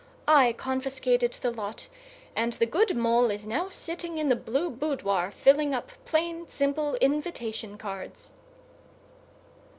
I confiscated the lot, and the good Mole is now sitting in the blue boudoir, filling up plain, simple invitation cards."